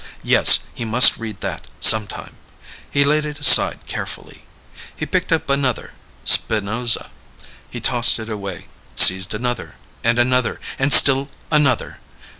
Yes, he must read that, sometime. He laid it aside carefully. He picked up another. Spinoza. He tossed it away, seized another, and another, and still another.